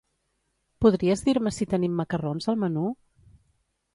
Podries dir-me si tenim macarrons al menú?